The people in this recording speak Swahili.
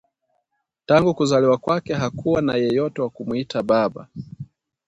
Tangu kuzaliwa kwake, hakuwa na yeyote wa kumwita baba